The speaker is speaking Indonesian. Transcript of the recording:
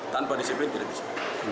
tanpa disiplin tidak bisa